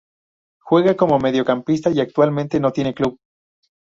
Juega como mediocampista y actualmente no tiene club.